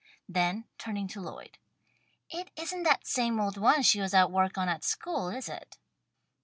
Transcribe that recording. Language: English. Then turning to Lloyd. "It isn't that same old one she was at work on at school, is it?"